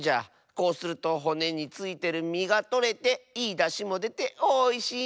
こうするとほねについてるみがとれていいだしもでておいしいんじゃよ。